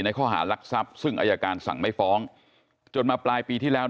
ข้อหารักทรัพย์ซึ่งอายการสั่งไม่ฟ้องจนมาปลายปีที่แล้ว